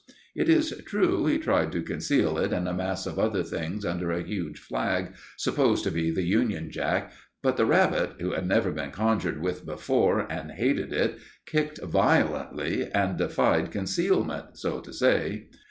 It is true he tried to conceal it in a mass of other things under a huge flag, supposed to be the Union Jack; but the rabbit, who had never been conjured with before, and hated it, kicked violently and defied concealment, so to say.